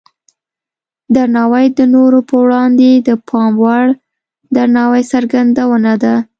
درناوی د نورو په وړاندې د پام وړ درناوي څرګندونه ده.